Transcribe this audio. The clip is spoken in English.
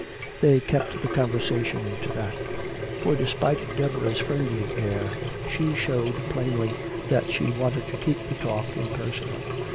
They kept the conversation to that. For despite Deborah's friendly air, she showed plainly that she wanted to keep the talk impersonal.